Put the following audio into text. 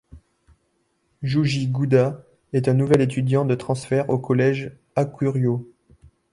Jouji Gouda est un nouvel étudiant de transfert au collège Hakuryo.